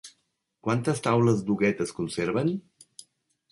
Quantes taules d'Huguet es conserven?